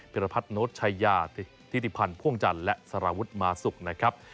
รพัฒน์โน้ตชายาธิติพันธ์พ่วงจันทร์และสารวุฒิมาสุกนะครับ